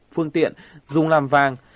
phương tiện dùng làm vàng